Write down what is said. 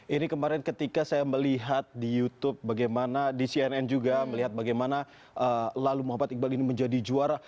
ini kemarin ketika saya melihat di youtube bagaimana di cnn juga melihat bagaimana lalu muhammad iqbal ini menjadi juara